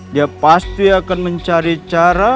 dia pasti akan mencari cara